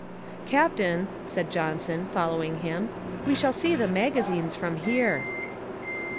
"Captain," said Johnson, following him, "we shall see the magazines from here."